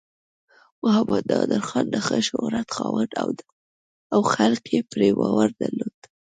محمد نادر خان د ښه شهرت خاوند و او خلک یې پرې باور درلود.